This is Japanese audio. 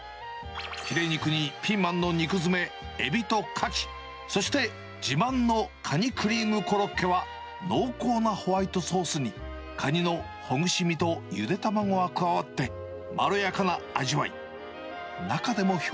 ヒレ肉にピーマンの肉詰め、エビとカキ、そして自慢のカニクリームコロッケは、濃厚なホワイトソースに、カニのほぐし身とゆで卵が加わって、まろやかな味わい。